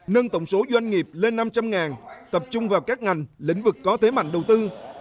nâng tổng số doanh nghiệp lên năm trăm linh tập trung vào các ngành lĩnh vực có thế mạnh đầu tư